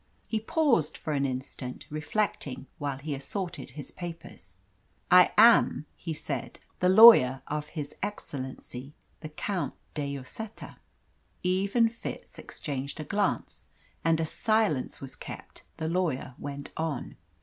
He paused for an instant, reflecting while he assorted his papers. "I am," he said, "the lawyer of his excellency the Count de Lloseta." Eve and Fitz exchanged a glance, and as silence was kept the lawyer went on.